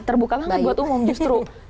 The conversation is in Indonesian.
terbuka banget buat umum justru